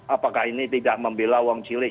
apakah ini tidak membela wong cilik